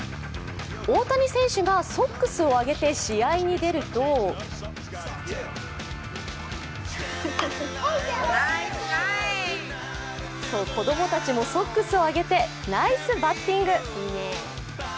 大谷選手がソックスを上げて試合に出ると子供たちもソックスを上げて、ナイスバッティング。